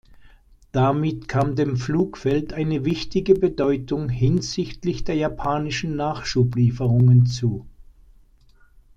Damit kam dem Flugfeld eine wichtige Bedeutung hinsichtlich der japanischen Nachschublieferungen zu.